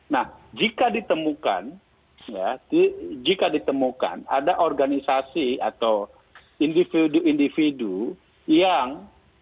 nah jika ditemukan jika ditemukan ada organisasi atau individu individu yang